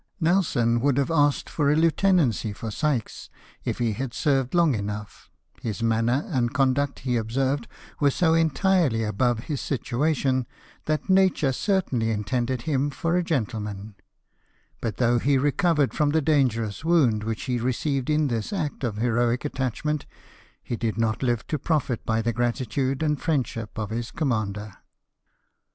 Nelson would have asked for a lieutenancy for Sykes, if he had served long enough : his manner and conduct, he observed, were so entirely above his situation that Nature certainly intended him for a gentleman ; but though he recovered from the dangerous wound which he received in this act of heroic attachment, he did not live to profit by the gratitude and friendship of his commander.